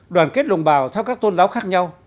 đoàn kết đồng bào theo các tôn giáo khác nhau